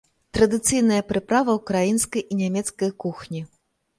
Традыцыйная прыправа ўкраінскай і нямецкай кухні.